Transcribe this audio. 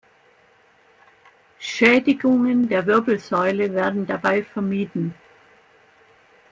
Schädigungen der Wirbelsäule werden dabei vermieden.